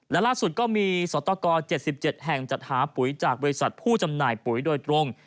และล่าสุดก็มีสตก๗๗แห่งจัดหาปุ๋ยจากบริษัทผู้จำหน่ายปุ๋ยโดยตรง